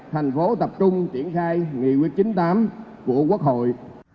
thành phố tập trung triển khai nghị quyết chín mươi tám của quốc hội